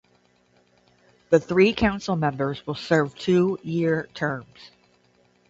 The three Council Members will serve two-year terms.